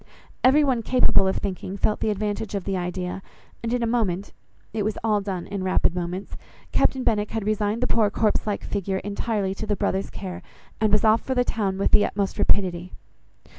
Every one capable of thinking felt the advantage of the idea, and in a moment (it was all done in rapid moments) Captain Benwick had resigned the poor corpse like figure entirely to the brother's care, and was off for the town with the utmost rapidity.